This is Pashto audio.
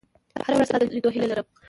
• هره ورځ ستا د لیدو هیله لرم.